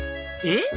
えっ？